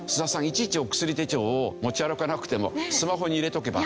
いちいちお薬手帳を持ち歩かなくてもスマホに入れておけば。